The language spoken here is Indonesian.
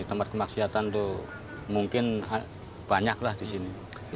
tempat kemaksiatan untuk mungkin banyak lah di sini